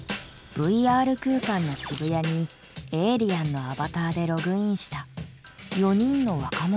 ＶＲ空間の渋谷にエイリアンのアバターでログインした４人の若者たち。